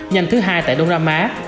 nhanh thứ hai tại đông nam á